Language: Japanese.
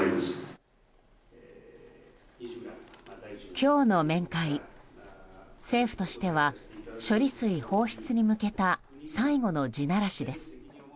今日の面会、政府としては処理水放出に向けた最後の地ならしです。